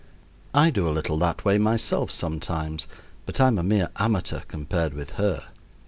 I do a little that way myself sometimes, but I am a mere amateur compared with her.